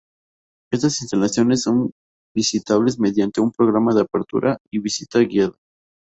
Estas instalaciones son visitables mediante un programa de apertura y visita guiada.